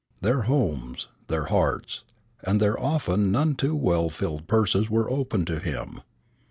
Their homes, their hearts, and their often none too well filled purses were open to him.